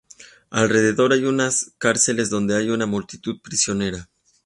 Alrededor hay unas cárceles donde hay una multitud prisionera.